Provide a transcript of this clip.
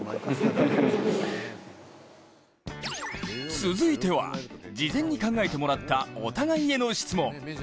続いては、事前に考えてもらったお互いへの質問。